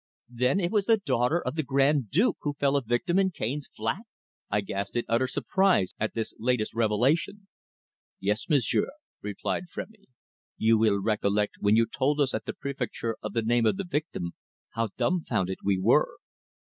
"Then it was the daughter of the Grand Duke who fell a victim in Cane's flat?" I gasped in utter surprise at this latest revelation. "Yes, m'sieur," replied Frémy. "You will recollect, when you told us at the Préfecture of the name of the victim, how dumbfounded we were."